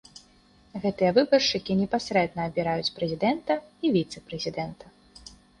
Гэтыя выбаршчыкі непасрэдна абіраюць прэзідэнта і віцэ-прэзідэнта.